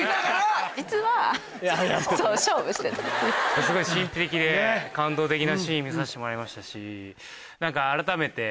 すごい神秘的で感動的なシーン見させてもらいましたし何か。